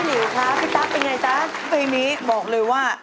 นี่พี่ชอบมากหลงจังหวะนะครับ